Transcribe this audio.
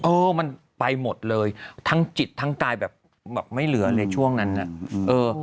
เออมันไปหมดเลยทั้งจิตทั้งกายแบบบอกไม่เหลือเลยช่วงนั้นน่ะเออ